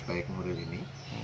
baik nuril ini